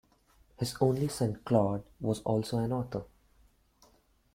His only son Claude was also an author.